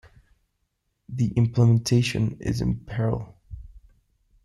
The implementation is in Perl.